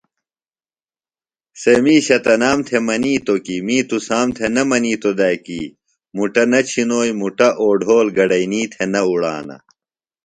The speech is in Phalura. سےۡ مِیشہ تنام تھےۡ منِیتو کی می تُسام تھےۡ نہ منِیتوۡ دئے کی مُٹہ نہ چِھنوئی مُٹہ اوڈھول گڈئینی تھےۡ نہ اُڑانہ۔